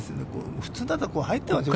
普通だったら入ってますよね。